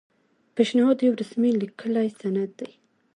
پیشنهاد یو رسمي لیکلی سند دی.